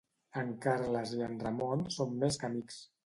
En Carles i en Ramon són més que amics.